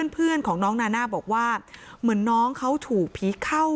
เพื่อนของน้องนาน่าบอกว่าเหมือนน้องเขาถูกผีเข้า